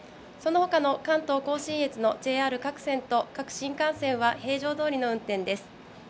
そのほかの関東甲信越のＪＲ各線と各新幹線は平常どおりの運転です。